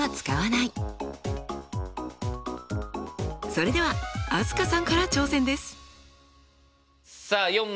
それでは飛鳥さんから挑戦です。